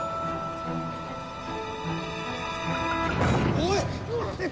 おい！